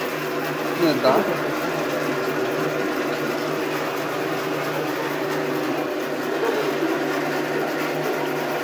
Su rango cronoestratigráfico abarca desde el Devónico hasta el Cretácico.